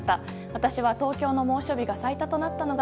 私は、東京の猛暑日が最多となったのが